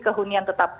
ke hunian tetap